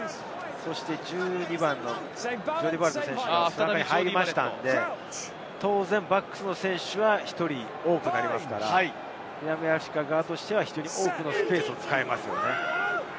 １２番のジョーディー・バレット選手が入りましたので、バックスの選手が１人多くなりますから、南アフリカとしては、１人多くのスペースを使えます。